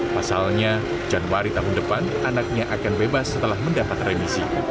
pasalnya januari tahun depan anaknya akan bebas setelah mendapat remisi